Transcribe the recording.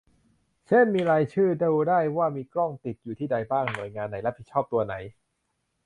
เช่น มีรายชื่อดูได้ว่ามีกล้องติดอยู่ที่ใดบ้าง หน่วยงานไหนรับผิดชอบตัวไหน